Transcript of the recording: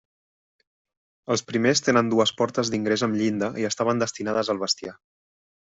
Els primers tenen dues portes d'ingrés amb llinda i estaven destinades al bestiar.